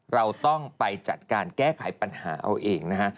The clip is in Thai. เราต้องไปจัดการแก้ไขปัญหาเอาเองนะฮะ